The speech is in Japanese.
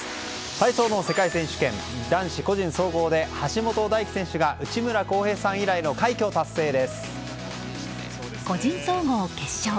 体操の世界選手権男子個人総合で橋本大輝選手が内村航平さん以来の個人総合決勝。